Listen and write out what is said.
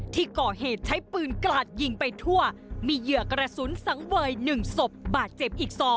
ที่ก่อเหตุใช้ปืนกราดยิงไปทั่วมีเหยื่อกระสุนสังเวย๑ศพบาดเจ็บอีก๒